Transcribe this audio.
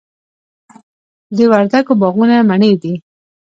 د وردګو باغونه مڼې دي